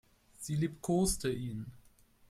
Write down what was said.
Sie liebkoste ihn.